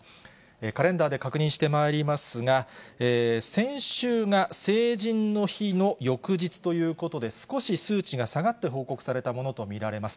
カレンダーで確認してまいりますが、先週が成人の日の翌日ということで、少し数値が下がって報告されたものと見られます。